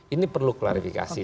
ini perlu klarifikasi